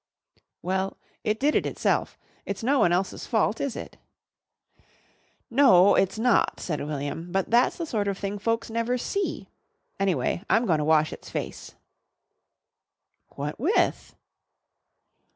"Well, it did it itself. It's no one else's fault, is it?" "No, it's not," said William. "But that's the sort of thing folks never see. Anyway, I'm goin' to wash its face." "What with?"